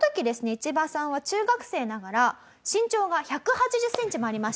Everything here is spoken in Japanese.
イチバさんは中学生ながら身長が１８０センチもありました。